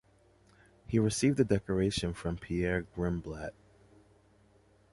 He received the decoration from Pierre Grimblat.